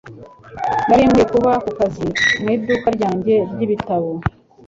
Nari nkwiriye kuba ku kazi mu iduka ryanjye ry'ibitabo